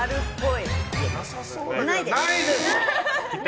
ないです！